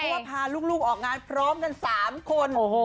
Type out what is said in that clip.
เพราะว่าพาลูกออกงานพร้อมกัน๓คน